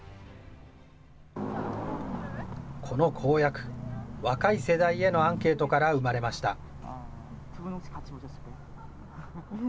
この公約、若い世代へのアンケートから生まれました。